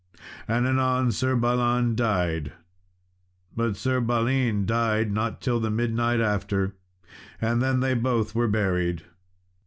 And anon Sir Balan died, but Sir Balin died not till the midnight after; and then they both were buried.